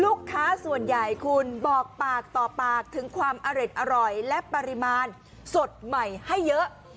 ลูกค้าส่วนใหญ่คุณบอกปากต่อปากถึงความอร่อยและปริมาณสดใหม่ให้เยอะ